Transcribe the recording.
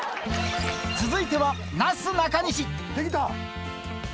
続いては出来た！